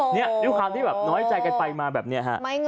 นี่คำที่แบบน้อยใจกันไปมาแบบนี้